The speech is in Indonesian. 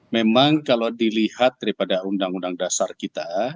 memang kalau dilihat daripada undang undang dasar kita